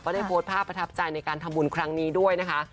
ได้โพสต์ภาพประทับใจในการทำบุญครั้งนี้ด้วยนะคะ